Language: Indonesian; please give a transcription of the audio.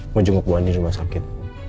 mau jungup buah nih rumah sakit